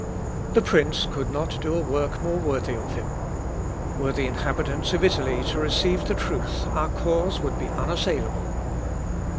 The prince could not do a work more worthy of him. Were the inhabitants of Italy to receive the truth our cause would be unassailable."